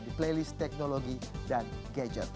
di playlist teknologi dan gadget